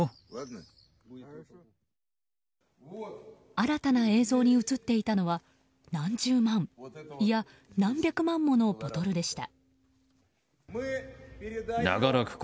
新たな映像に映っていたのは何十万いや、何百万ものボトルでした。